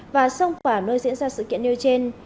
và xông phả nơi diễn ra sự kiện nêu trên